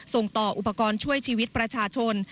ส่งต่ออุปกรณ์ช่วยชีวิตประชาชน